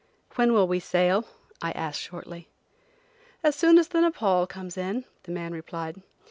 "When will we sail," I asked shortly. "As soon as the Nepaul comes in," the man replied.